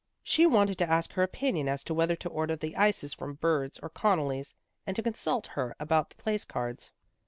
She wanted to ask her opinion as to whether to order the ices from Bird's or Connally's, and to consult her about the place cards.